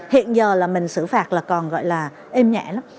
hiện giờ là mình xử phạt là còn gọi là êm nhẹ lắm